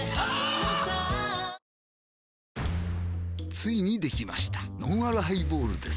ついにできましたのんあるハイボールです